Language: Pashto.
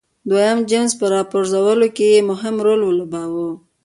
دویم جېمز په راپرځولو کې یې مهم رول ولوباوه.